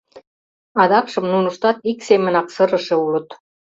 Адакшым нуныштат ик семынак сырыше улыт.